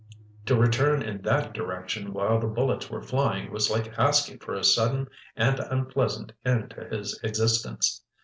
To return in that direction while the bullets were flying was like asking for a sudden and unpleasant end to his existence.